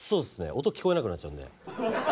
音聞こえなくなっちゃうんで。